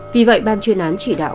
vì vậy ban chuyên án chỉ đạo